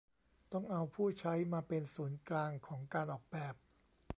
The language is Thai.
ต้องเอาผู้ใช้มาเป็นศูนย์กลางของการออกแบบ